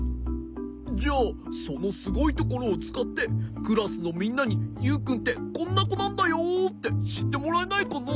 じゃあそのすごいところをつかってクラスのみんなにユウくんってこんなこなんだよってしってもらえないかな？